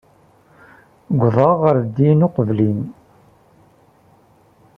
Uwḍeɣ ɣer din uqbel-im.